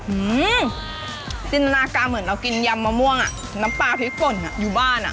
อืมจินตนาการเหมือนเรากินยำมะม่วงอ่ะน้ำปลาพริกป่นอ่ะอยู่บ้านอ่ะ